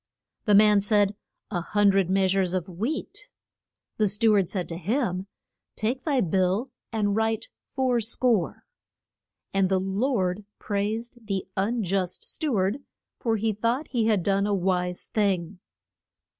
The man said, A hun dred mea sures of wheat. The stew ard said to him, Take thy bill, and write four score. [Illustration: THE UN JUST STEW ARD.] And the lord praised the un just stew ard, for he thought he had done a wise thing.